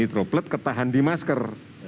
droplet ketahan di masker